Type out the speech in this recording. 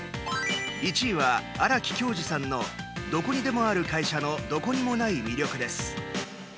１位は荒木恭司さんの「どこにでもある会社のどこにもない魅力」です。